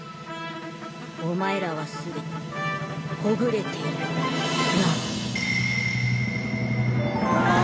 お前らはすでにほぐれているニャン。